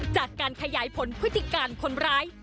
จากการขยายผลพฤติการคนร้าย